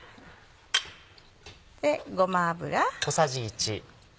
ごま油。